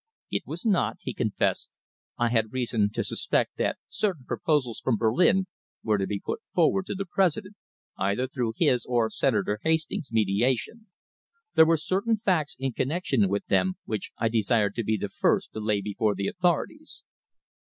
"It was not," he confessed, "I had reason to suspect that certain proposals from Berlin were to be put forward to the President either through his or Senator Hastings' mediation. There were certain facts in connection with them, which I desired to be the first to lay before the authorities."